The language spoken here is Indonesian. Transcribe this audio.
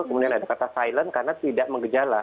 kemudian ada kata silent karena tidak mengejala